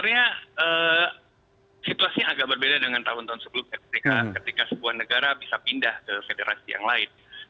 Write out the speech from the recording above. sebenarnya situasinya agak berbeda dengan tahun tahun sebelumnya ketika sebuah negara bisa pindah ke federasi yang lain